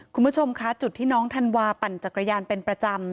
คุณผู้ชมคะจุดที่น้องธันวาปั่นจักรยานเป็นประจำ